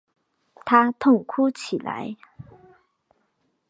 他痛哭起来